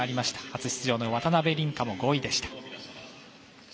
初出場の渡辺倫果も５位でした。